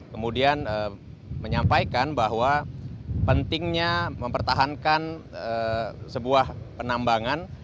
kemudian menyampaikan bahwa pentingnya mempertahankan sebuah penambangan